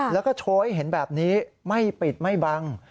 แล้วก็โชว์ให้เห็นแบบนี้ไม่ปิดไม่บัง